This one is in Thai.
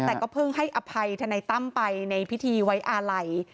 แต่ก็เพิ่งให้อภัยทนายตั้มไปในพิธีไว้อาลัย